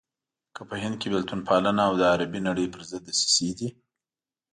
که په هند کې بېلتون پالنه او د عربي نړۍ پرضد دسيسې دي.